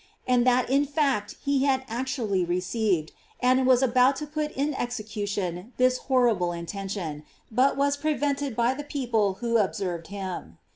And that, in fact, he had actually received, and was about to put in execution this horrible in tention, but was prevented by the people who ob served him.